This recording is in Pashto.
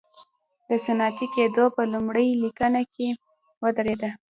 د صنعتي کېدو په لومړۍ لیکه کې ودرېد.